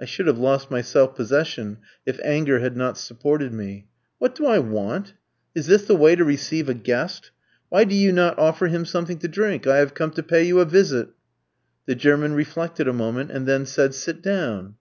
"I should have lost my self possession if anger had not supported me. "'What do I want? Is this the way to receive a guest? Why do you not offer him something to drink? I have come to pay you a visit.' "The German reflected a moment, and then said, 'Sit down.'